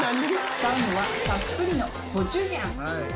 使うのはたっぷりのコチュジャン。